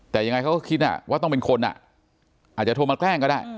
แต่ยังไงเขาก็คิดว่าต้องเป็นคนอาจจะโทรมาแกล้งก็ได้